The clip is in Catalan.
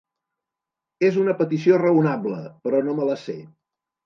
És una petició raonable, però no me la sé.